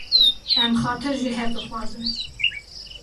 Em xatir ji hev dixwazin.